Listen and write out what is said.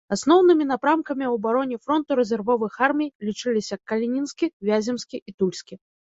Асноўнымі напрамкамі ў абароне фронту рэзервовых армій лічыліся калінінскі, вяземскі і тульскі.